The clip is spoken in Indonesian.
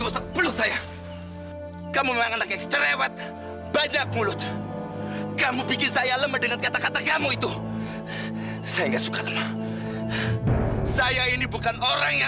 sampai jumpa di video selanjutnya